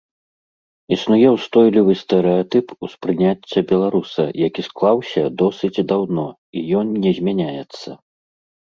Існуе ўстойлівы стэрэатып успрыняцця беларуса, які склаўся досыць даўно, і ён не змяняецца.